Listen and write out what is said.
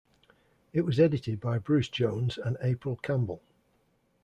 It was edited by Bruce Jones and April Campbell.